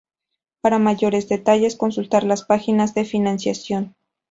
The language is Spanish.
Para mayores detalles, consultar las páginas de Financiación.